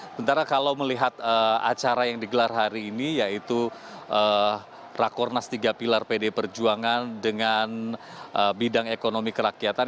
sementara kalau melihat acara yang digelar hari ini yaitu rakornas tiga pilar pdi perjuangan dengan bidang ekonomi kerakyatan